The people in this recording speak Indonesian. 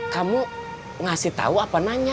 kamu ngasih tahu apa nanya